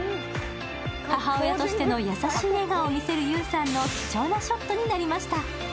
母親としての優しい笑顔を見せる優さんの貴重なショットになりました。